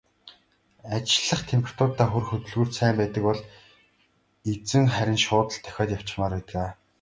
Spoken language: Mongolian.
Ажиллах температуртаа хүрэх хөдөлгүүрт сайн байдаг бол эзэн харин шууд л давхиад явчихмаар байдаг.